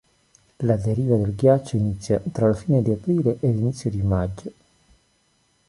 La deriva del ghiaccio inizia tra la fine di aprile e l'inizio di maggio.